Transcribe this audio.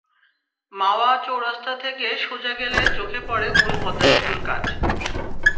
মাওয়া চৌরাস্তা থেকে সোজা গেলে চোখে পড়ে মূল পদ্মা সেতুর কাজ।